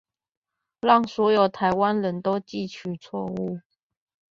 讓所有臺灣人都記取錯誤